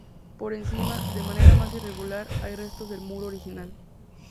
Por encima, de manera más irregular, hay restos del muro original.